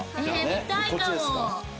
見たいかも！